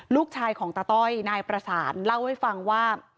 ลูกชายของตาต้อยนายประสานเล่าให้ฟังว่า